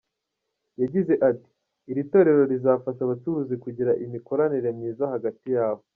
Yagize ati “Iri torero rizafasha abacuruzi kugira imikoranire myiza hagati yabo.